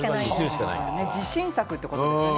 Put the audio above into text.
自信作ってことですよね？